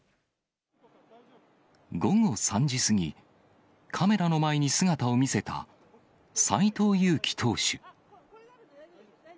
午後３時過ぎ、カメラの前に姿を見せた斎藤佑樹投手。